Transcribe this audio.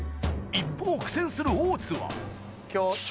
一方苦戦する大津は今日。